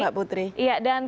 selamat malam mbak putri